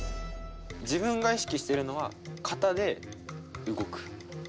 自分が意識してるのは肩で動く。